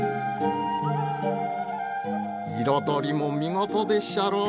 彩りも見事でっしゃろ。